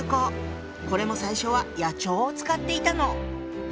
これも最初は野鳥を使っていたの。